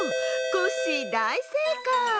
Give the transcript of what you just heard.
コッシーだいせいかい！